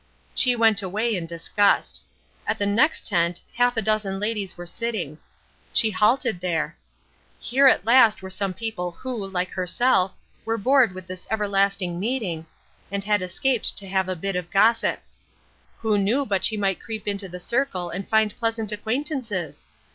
She went away in disgust. At the next tent half a dozen ladies were sitting. She halted there. Here at last were some people who, like herself, were bored with this everlasting meeting, and had escaped to have a bit of gossip. Who knew but she might creep into the circle and find pleasant acquaintances?